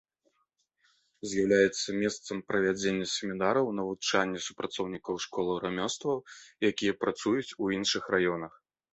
З'яўляецца месцам правядзення семінараў, навучання супрацоўнікаў школаў рамёстваў, якія працуюць у іншых раёнах.